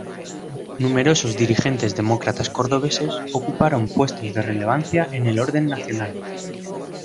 Numerosos dirigentes demócratas cordobeses ocuparon puestos de relevancia en el orden nacional.